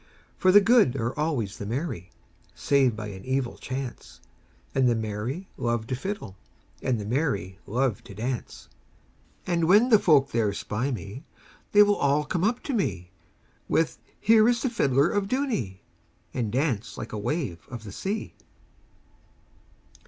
For the good are always the merry, Save by an evil chance, And the merry love the fiddle, And the merry love to dance. And when the folk there spy me, They all come up to me, With, "Here is the fiddler of Dooney !" And dance like a wave of the sea.